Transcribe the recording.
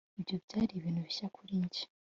Ibyo byari ibintu bishya kuri njye